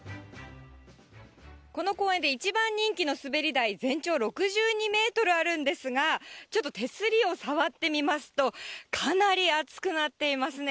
この公園で一番人気の滑り台、全長６２メートルあるんですが、ちょっと手すりを触ってみますと、かなり熱くなっていますね。